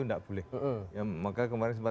tidak boleh maka kemarin sempat